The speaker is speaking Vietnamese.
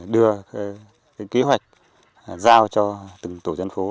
đưa kế hoạch giao cho từng tổ dân phố